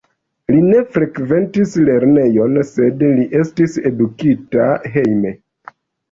Li ne frekventis lernejojn, sed li estis edukita hejme.